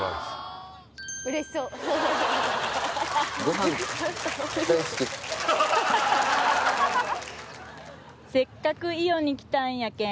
はい「せっかく伊予に来たんやけん」